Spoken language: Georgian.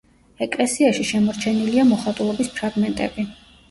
ეკლესიაში შემორჩენილია მოხატულობის ფრაგმენტები.